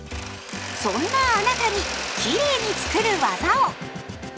そんなあなたにきれいにつくる技を！